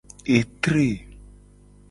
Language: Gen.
Etre.